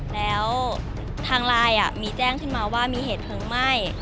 แล้วทางไลน์มีแจ้งขึ้นมาว่ามีเหตุเพลิงไหม้